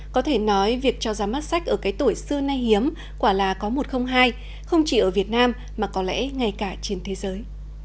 có thể nói việc cho ra mắt sách ở cái tuổi xưa nay hiếm quả là có một không hai không chỉ ở việt nam mà có lẽ ngay cả trên thế giới